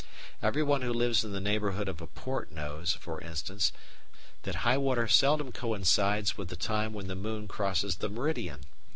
Everyone who lives in the neighbourhood of a port knows, for instance, that high water seldom coincides with the time when the moon crosses the meridian.